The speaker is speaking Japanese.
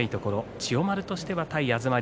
千代丸として対東龍